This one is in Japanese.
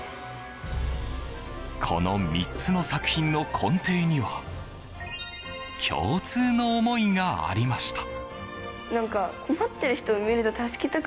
この３つの作品の根底には共通の思いがありました。